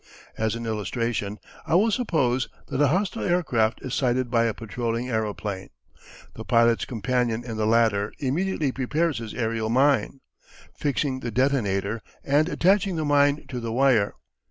As an illustration I will suppose that a hostile aircraft is sighted by a patrolling aeroplane. The pilot's companion in the latter immediately prepares his aerial mine, fixing the detonator, and attaching the mine to the wire.